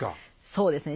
そうですね